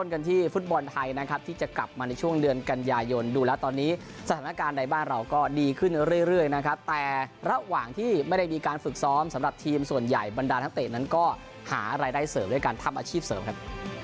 กันที่ฟุตบอลไทยนะครับที่จะกลับมาในช่วงเดือนกันยายนดูแล้วตอนนี้สถานการณ์ในบ้านเราก็ดีขึ้นเรื่อยนะครับแต่ระหว่างที่ไม่ได้มีการฝึกซ้อมสำหรับทีมส่วนใหญ่บรรดานักเตะนั้นก็หารายได้เสริมด้วยการทำอาชีพเสริมครับ